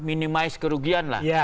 minimise kerugian lah